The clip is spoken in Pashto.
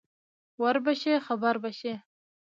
ـ وربشې خبر بشې.